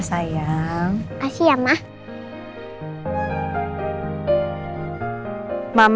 seperti mian porsche kartu loh mals